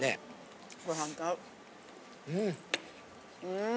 うん。